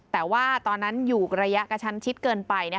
แต่ว่าตอนนั้นอยู่ระยะกระชั้นชิดเกินไป